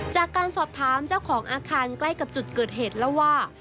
จากการสอบถามเจ้าของอาคารใกล้กับจุดเกิดเหตุเล่าว่า